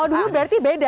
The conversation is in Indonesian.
oh dulu berarti beda